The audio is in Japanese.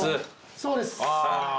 そうです。